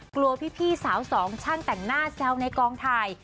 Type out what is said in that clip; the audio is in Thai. กลัวพี่สาวสองช่างแต่งหน้าแซวในกองถ่าย